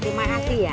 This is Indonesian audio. terima kasih ya